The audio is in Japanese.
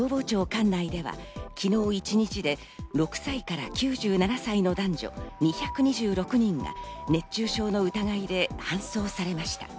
管内では、昨日一日で６歳から９７歳の男女２２６人が熱中症の疑いで搬送されました。